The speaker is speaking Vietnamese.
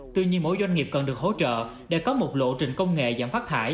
tuy nhiên mỗi doanh nghiệp cần được hỗ trợ để có một lộ trình công nghệ giảm phát thải